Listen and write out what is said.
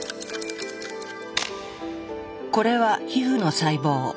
これは皮膚の細胞。